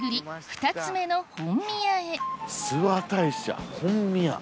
２つ目の本宮へ諏訪大社本宮。